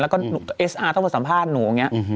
แล้วก็เอสอาต้องมาสัมภาษณ์หนูอย่างนี้